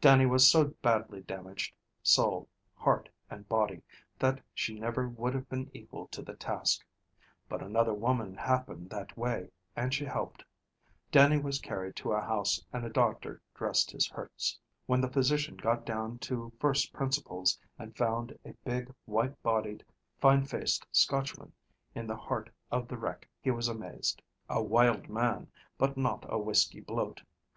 Dannie was so badly damaged, soul, heart, and body, that she never would have been equal to the task, but another woman happened that way and she helped. Dannie was carried to a house and a doctor dressed his hurts. When the physician got down to first principles, and found a big, white bodied, fine faced Scotchman in the heart of the wreck, he was amazed. A wild man, but not a whiskey bloat.